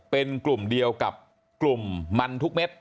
เป็นกลุ่มเดียวกับกลุ่มมันทุกเม็ด